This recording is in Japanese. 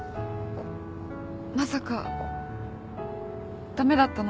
まさか駄目だったの？